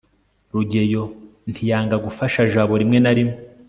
rugeyo ntiyanga gufasha jabo rimwe na rimwe